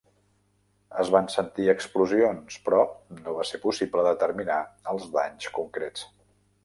Es van sentir explosions, però no va ser possible determinar els danys concrets.